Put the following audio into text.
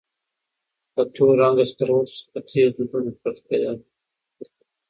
له تور رنګه سکروټو څخه تېز دودونه پورته کېدل.